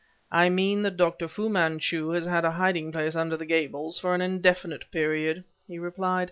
"I mean that Dr. Fu Manchu has had a hiding place under the Gables for an indefinite period!" he replied.